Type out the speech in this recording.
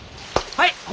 はい！